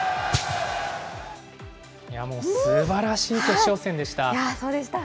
すばらしい決勝戦でした。